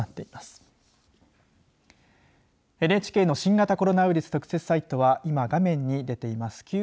ＮＨＫの新型コロナウイルス特設サイトは今画面に出ています